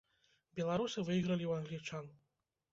Беларусы выйгралі ў англічан.